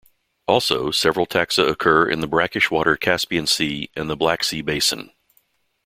Also, several taxa occur in the brackish-water Caspian Sea and the Black Sea basin.